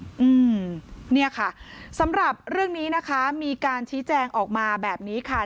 อืมเนี่ยค่ะสำหรับเรื่องนี้นะคะมีการชี้แจงออกมาแบบนี้ค่ะ